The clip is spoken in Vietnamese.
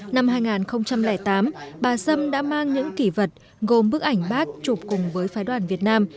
năm hai nghìn tám bà sâm đã mang những kỷ vật gồm bức ảnh bác chụp cùng với phái đoàn việt nam